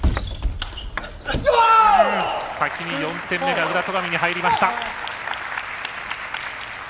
先に４点目が宇田、戸上に入りました。